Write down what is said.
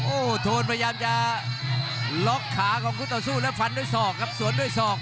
โอ้โหโทนพยายามจะล็อกขาของคู่ต่อสู้แล้วฟันด้วยศอกครับสวนด้วยศอก